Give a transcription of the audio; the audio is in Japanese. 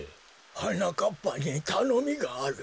はなかっぱにたのみがある。